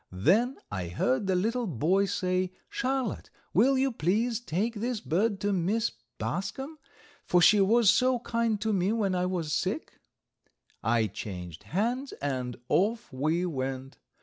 Then I heard the little boy say: "Charlotte, will you please take this bird to Miss Bascom, for she was so kind to me when I was sick?" I changed hands, and off we went.